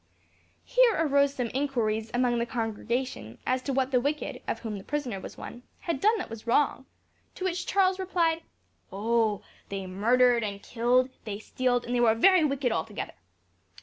Here arose some inquiries among the congregation as to what the wicked, of whom the prisoner was one, had done that was wrong; to which Charles replied, "Oh! they murdered and killed; they stealed, and they were very wicked altogether.